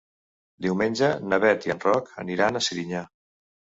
Diumenge na Bet i en Roc aniran a Serinyà.